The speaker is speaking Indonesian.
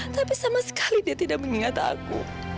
tapi sama sekali dia tidak mengingat aku